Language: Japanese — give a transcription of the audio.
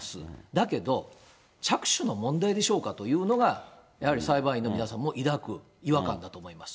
だけど、着手の問題でしょうかというのが、やはり裁判員の皆さんも抱く違和感だと思います。